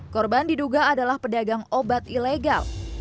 korban diduga adalah pedagang obat ilegal